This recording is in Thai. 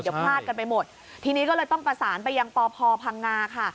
เดี๋ยวพลาดกันไปหมดทีนี้ก็เลยต้องประสานไปยังปพพังงาค่ะ